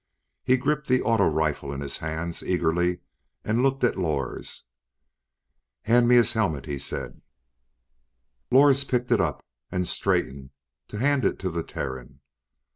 He gripped the auto rifle in his hands eagerly and looked at Lors. "Hand me his helmet," he said. Lors picked it up and straightened to hand it to the Terran.